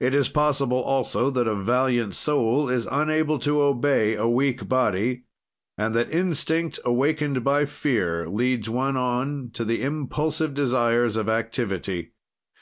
It is possible also that a valiant soul is unable to obey a weak body, and that instinct, awakened by fear, leads one on to the impulsive desires of activity.